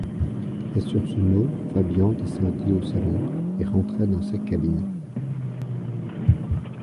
Et sur ce mot Fabian descendit au salon et rentra dans sa cabine.